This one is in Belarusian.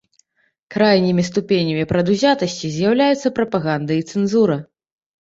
Крайнімі ступенямі прадузятасці з'яўляюцца прапаганда і цэнзура.